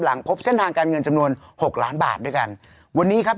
พบเส้นทางการเงินจำนวนหกล้านบาทด้วยกันวันนี้ครับ